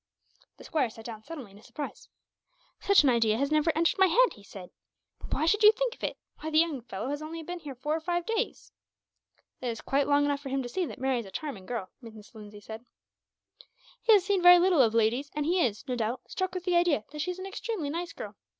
The squire sat down suddenly, in his surprise. "Such an idea never entered my head," he said. "But why should you think of it? Why, the young fellow has only been here four or five days!" "That is quite long enough for him to see that Mary is a charming girl," Mrs. Lindsay said. "He has seen very little of ladies; and he is, no doubt, struck with the idea that she is an extremely nice girl.